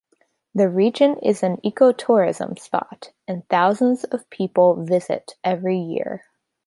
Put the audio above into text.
The region is an eco-tourism spot, and thousands of people visit every year.